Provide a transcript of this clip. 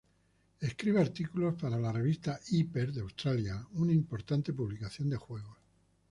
Escribe artículos para la revista "Hyper" de Australia, una importante publicación de juegos.